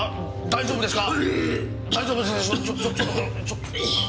大丈夫ですか？